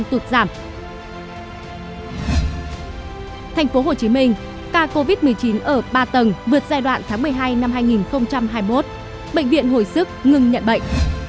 thành phố hồ chí minh ca covid một mươi chín ở ba tầng vượt giai đoạn tháng một mươi hai năm hai nghìn hai mươi một bệnh viện hồi sức ngừng nhận bệnh